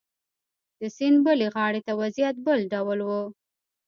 د سیند بلې غاړې ته وضعیت بل ډول و.